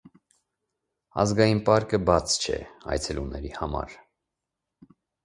Ազգային պարկը բաց չէ այցելուների համար։